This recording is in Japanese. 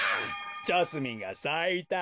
ジャスミンがさいた。